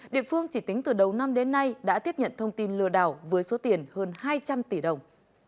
địa phương chỉ tính từ đầu năm đến nay đã tiếp nhận thông tin lừa đảo với số tiền hơn hai trăm linh tỷ đồng